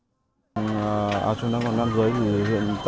các bạn có thể nhớ đăng kí cho kênh lalaschool để không bỏ lỡ những video hấp dẫn